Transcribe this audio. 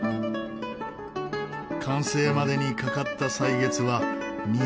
完成までにかかった歳月は２００年。